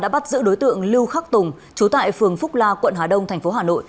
đã bắt giữ đối tượng lưu khắc tùng trú tại phường phúc la quận hà đông tp hà nội